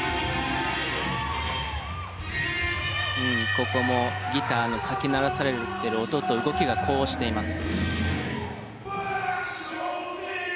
ここもギターのかき鳴らされている音と動きが呼応しています。